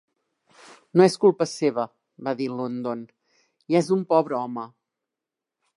"No és culpa seva", va dir London. "I és un pobre home".